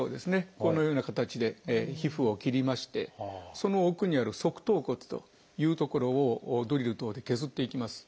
このような形で皮膚を切りましてその奥にある側頭骨という所をドリル等で削っていきます。